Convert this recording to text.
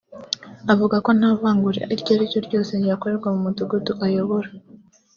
uvuga ko nta vangura iryo ariryo ryose ryakorerwa mu mudugudu ayobora